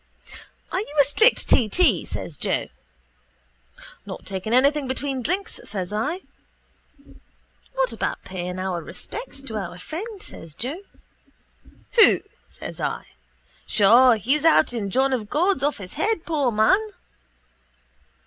—Are you a strict t.t.? says Joe. —Not taking anything between drinks, says I. —What about paying our respects to our friend? says Joe. —Who? says I. Sure, he's out in John of God's off his head, poor man.